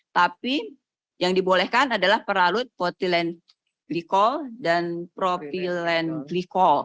tapi yang dibolehkan adalah peralut potilen glikol dan propilen glikol